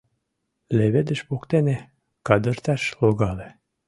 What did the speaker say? Леведыш воктене кадырташ логале.